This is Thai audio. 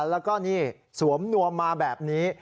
แล้วก็นี่สวมนวมมาแบบนี้